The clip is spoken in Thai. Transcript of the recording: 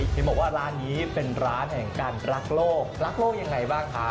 เห็นบอกว่าร้านนี้เป็นร้านแห่งการรักโลกรักโลกยังไงบ้างคะ